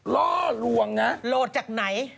ล่อลวงนะโหลดจากไหน